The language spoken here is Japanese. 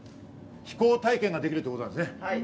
飛行体験ができるってことなんです。